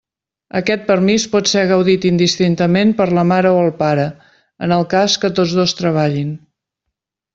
Aquest permís pot ser gaudit indistintament per la mare o el pare, en el cas que tots dos treballin.